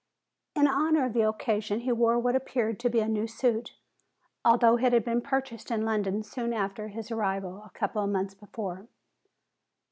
In honor of the occasion he wore what appeared to be a new suit, although it had been purchased in London soon after his arrival a number of months before.